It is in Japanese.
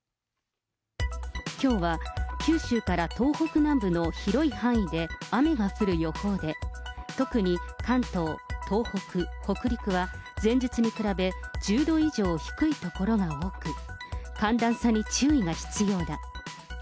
きょうは九州から東北南部の広い範囲で雨が降る予報で、特に関東、東北、北陸は前日に比べ１０度以上低い所が多く、寒暖差に注意が必要だ。